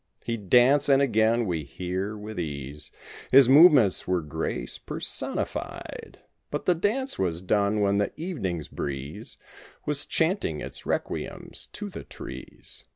He'd dance, and again, we hear, with ease. His movements were grace personified; But the dance was done when the evening's breeze Was chanting its requiems to the trees.